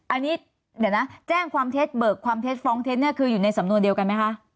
อันนี้เดี๋ยวนะแจ้งความเท็จเบิกความเท็จฟ้องเท็จเนี่ยคืออยู่ในสำนวนเดียวกันไหมคะ